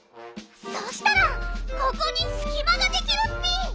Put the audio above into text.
そしたらここにすきまができるッピ！